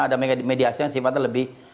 ada mediasi yang sifatnya lebih